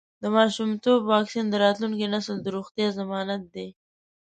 د ماشومتوب واکسین د راتلونکي نسل د روغتیا ضمانت دی.